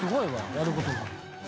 やることが。